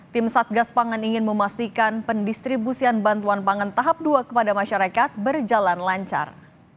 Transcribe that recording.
tim satgas pangan ingin memastikan pendistribusian bantuan pangan tahap dua kepada masyarakat berjalan lancar